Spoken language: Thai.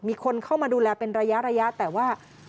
มีคนเข้ามาดูแลเป็นระยะแต่ว่า